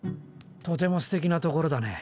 とてもすてきなところだね。